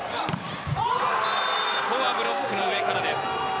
ここはブロックの上からです。